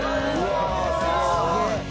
すごい！